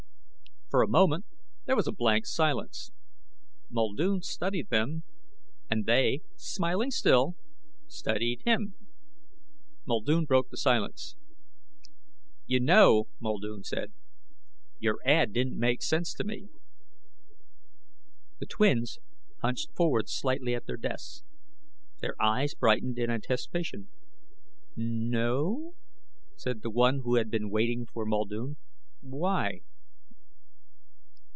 For a moment there was a blank silence. Muldoon studied them, and they, smiling still, studied him. Muldoon broke the silence. "You know," Muldoon said, "your ad didn't make sense to me." The twins hunched forward slightly at their desks. Their eyes brightened in anticipation. "No o?..." said the one who had been waiting for Muldoon. "Why?"